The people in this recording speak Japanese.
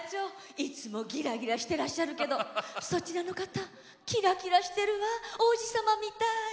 いつもギラギラしてくださるけどそちらの方キラキラしているわ王子様みたい。